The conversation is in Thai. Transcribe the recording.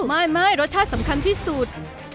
ไม่รสชาติสำคัญที่สุด